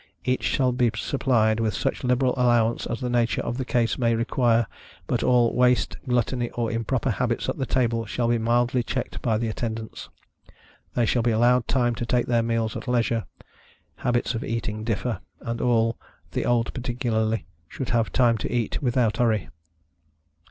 Each shall be supplied with such liberal allowance as the nature of the case may require, but all waste, gluttony, or improper habits at the table shall be mildly checked by the Attendants. They shall be allowed time to take their meals at leisureâ€"habits of eating differ, and all (the old particularly) should have time to eat without hurry.